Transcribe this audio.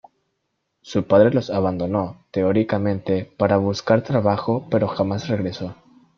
Su padre los abandonó teóricamente para buscar trabajo pero jamás regresó.